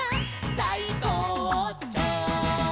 「さいこうちょう」